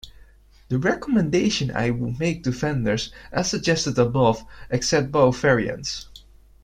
The recommendation I would make to vendors.. as suggested above.. accept both variants.